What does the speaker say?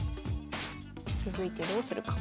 続いてどうするか。